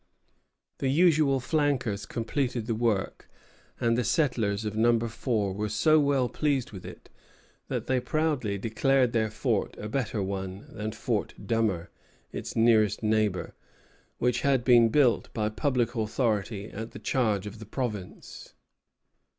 The usual flankers completed the work, and the settlers of Number Four were so well pleased with it that they proudly declared their fort a better one than Fort Dummer, its nearest neighbor, which had been built by public authority at the charge of the province.